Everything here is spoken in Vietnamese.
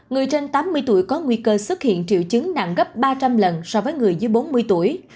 người trên tám mươi tuổi có nguy cơ xuất hiện triệu chứng nặng gấp ba trăm linh lần so với người dưới bốn mươi tuổi